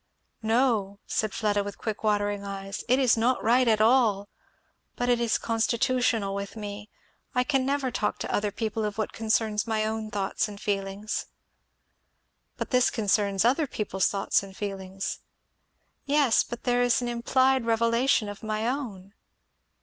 "No," said Fleda, with quick watering eyes, "It is not right at all; but it is constitutional with me. I never can talk to other people of what concerns my own thoughts and feelings." "But this concerns other people's thoughts and feelings." "Yes, but there is an implied revelation of my own."